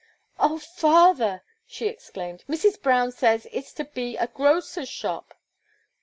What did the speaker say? "Oh, father!" she exclaimed, "Mrs. Brown says it's to be a grocer's shop."